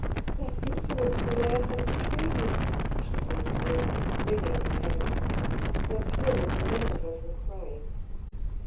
" That infamous Frilair has betrayed me," she said to him, wringing her hands. Her fury prevented her from crying.